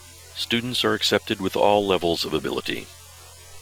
Students are accepted with all levels of ability.